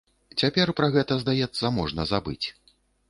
Цяпер пра гэта, здаецца, можна забыць.